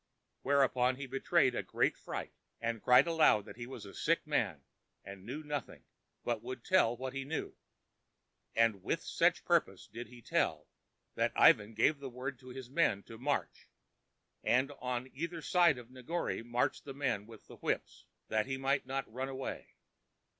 Whereupon he betrayed a great fright, and cried aloud that he was a sick man and knew nothing, but would tell what he knew. And to such purpose did he tell, that Ivan gave the word to his men to march, and on either side of Negore marched the men with the whips, that he might not run away.